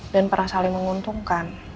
dan pernah saling menguntungkan